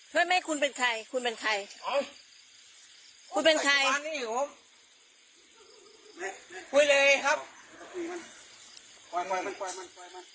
ผมแบบว่าน่ะให้ให้แปลกกับคนละแขก่อน